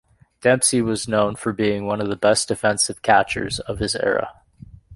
Dempsey was known for being one of the best defensive catchers of his era.